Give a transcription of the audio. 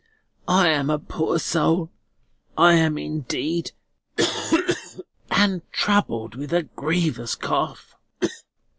I am a poor soul, I am indeed, and troubled with a grievous cough."